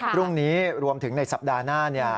พรุ่งนี้รวมถึงในสัปดาห์หน้า